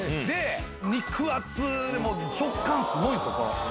肉厚で食感すごいんすよ。